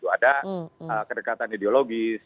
ada kedekatan ideologis